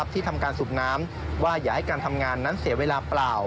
ที่ทำการสูบน้ำว่าอย่าให้การทำงานนั้นเสียเวลาเปล่า